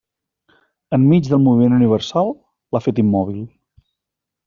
Enmig del moviment universal, l'ha fet immòbil.